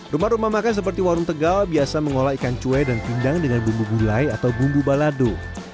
rumah rumah makan seperti warung tegal biasa mengolah ikan cue dan pindang dengan bumbu gulai atau bumbu balado